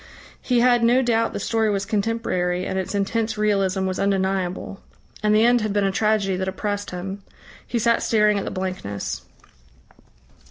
He had no doubt the story was contemporary, and its intense realism was undeniable. And the end had been a tragedy that oppressed him. He sat staring at the blankness.